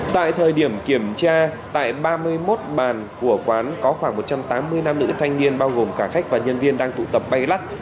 tại thời điểm kiểm tra tại ba mươi một bàn của quán có khoảng một trăm tám mươi nam nữ thanh niên bao gồm cả khách và nhân viên đang tụ tập bay lắc